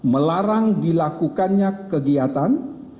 melarang dilakukannya kegiatan